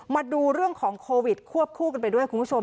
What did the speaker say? มาดูเรื่องของโควิดควบคู่กันไปด้วยคุณผู้ชม